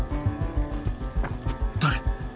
誰？